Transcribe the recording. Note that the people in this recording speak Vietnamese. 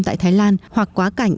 về thái lan hoặc quá cảnh